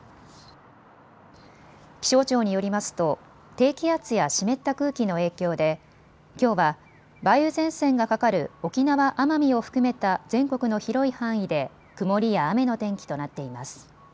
気象庁によりますと低気圧や湿った空気の影響できょうは梅雨前線がかかる沖縄・奄美を含めた全国の広い範囲で曇りや雨の天気となっています。